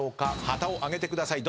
旗を挙げてください。